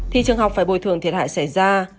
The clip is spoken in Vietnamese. thì trường học phải bồi thường thiệt hại xảy ra